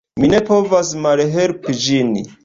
Mi ne povas malhelpi ĝin.